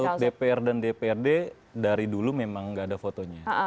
untuk dpr dan dprd dari dulu memang nggak ada fotonya